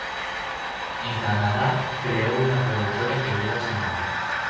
En Canadá creó una productora que lleva su nombre.